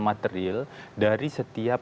material dari setiap